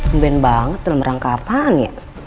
uben banget belum rangka apaan ya